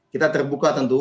kita terbuka tentu